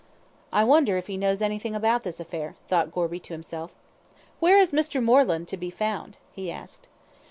"I wonder if he knows anything about this affair," thought Gorby to himself "Where is Mr. Moreland to be found?" he asked.